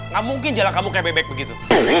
gak mungkin jala kamu kayak bebek begitu